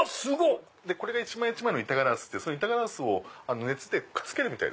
これが一枚一枚の板ガラスで板ガラスを熱でくっつける。